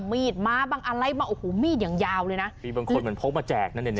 มีดมาบางอะไรมาโอ้โหมีดอย่างยาวเลยนะมีบางคนเหมือนพกมาแจกนะเนี่ย